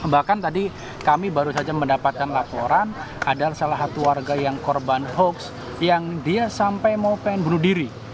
bahkan tadi kami baru saja mendapatkan laporan ada salah satu warga yang korban hoax yang dia sampai mau pengen bunuh diri